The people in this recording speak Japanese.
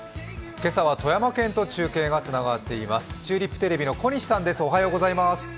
今朝は富山県と中継がつながっています。